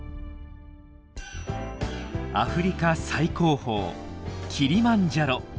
アフリカ最高峰キリマンジャロ。